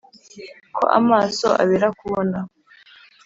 ko amaso abera kubona!